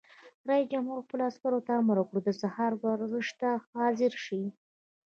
رئیس جمهور خپلو عسکرو ته امر وکړ؛ د سهار ورزش ته حاضر شئ!